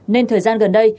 nên thời gian gần đây